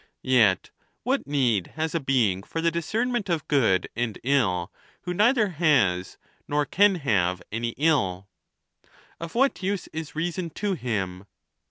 Yet what need has a being for the discernment of good and ill who neither has nor can have any ill ? Of what use is reason to him?